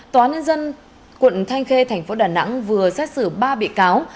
tòa án nhân dân tp đà nẵng vừa xét xử ba bị cáo